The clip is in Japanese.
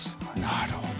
なるほど。